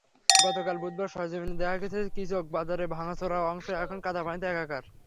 গতকাল বুধবার সরেজমিনে দেখা গেছে, কিচক বাজারের ভাঙাচোরা অংশ এখন কাদাপানিতে একাকার।